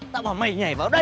tao bảo mày nhảy vào đây